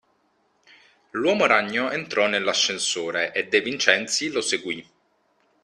L’uomo ragno entrò nell’ascensore e De Vincenzi lo seguí.